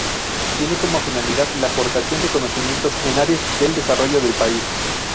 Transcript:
Tiene como finalidad la aportación de conocimientos en áreas del desarrollo del país.